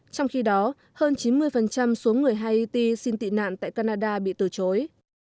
trong khi đó hơn chín mươi số người haiti xin tị nạn tại canada bị từ chối